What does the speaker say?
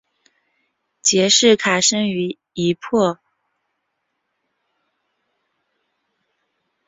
杰式卡生于一破落骑士家庭。